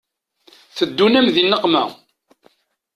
Teddunt-am di nneqma.